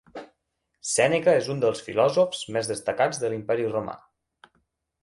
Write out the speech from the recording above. Sèneca és un dels filòsofs més destacats de l'Imperi romà.